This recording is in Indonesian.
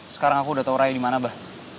sekarang aku udah tau raya dimana mbah